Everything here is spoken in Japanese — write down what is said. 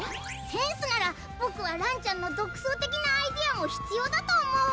センスならボクはらんちゃんの独創的なアイデアも必要だと思う